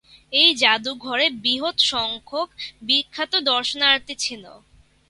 এই জাদুঘরের বৃহত সংখ্যক বিখ্যাত দর্শনার্থী ছিলো।